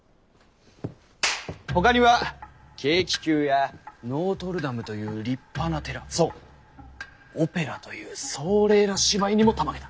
ほかには軽気球やノオトルダムという立派な寺そうオペラという壮麗な芝居にもたまげた。